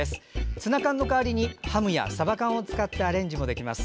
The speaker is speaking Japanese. ツナ缶の代わりにハムやさば缶を使ってアレンジもできます。